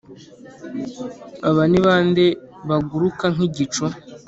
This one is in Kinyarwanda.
Aba ni bande baguruka nk ‘igicu .